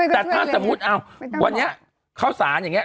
แต่ถ้าสมมุติวันนี้ข้าวสารอย่างนี้